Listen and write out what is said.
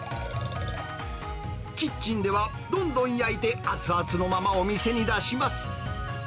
キッチンでは、どんどん焼いて熱々のままお店に出します。